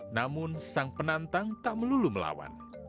namun sang penantang tak melulu melawan